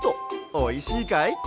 おいしいかい？